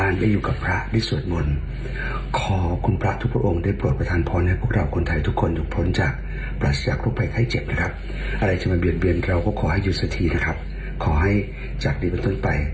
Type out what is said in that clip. ในการที่เราจะเดินทุกเก้าต่อไป